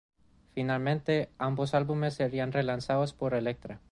Finalmente ambos álbumes serían relanzados por Elektra.